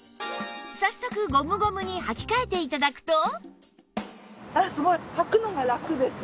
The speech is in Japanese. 早速ゴムゴムに履き替えて頂くと